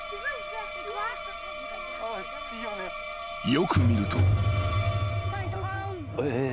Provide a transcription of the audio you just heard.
［よく見ると］